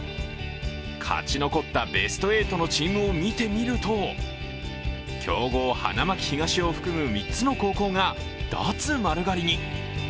勝ち残ったベスト８のチームを見てみると強豪・花巻東を含む３つの高校が脱丸刈りに。